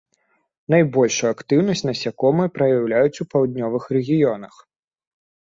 Найбольшую актыўнасць насякомыя праяўляюць у паўднёвых рэгіёнах.